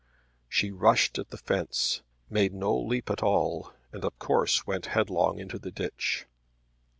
She rushed at the fence, made no leap at all, and of course went headlong into the ditch.